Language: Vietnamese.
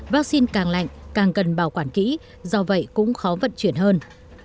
vắc xin càng lạnh càng cần bảo quản kỹ do vậy cũng khó vận chuyển hơn